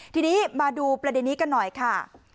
ทีนี้มาดูประเด็นนี้กันหน่อยค่ะ